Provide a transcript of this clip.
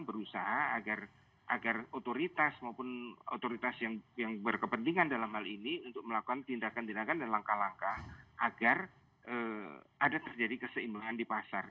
berusaha agar otoritas maupun otoritas yang berkepentingan dalam hal ini untuk melakukan tindakan tindakan dan langkah langkah agar ada terjadi keseimbangan di pasar